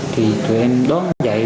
thì tụi em đóng dậy